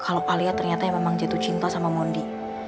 kalau alia ternyata yang memang jatuh cinta sama mondi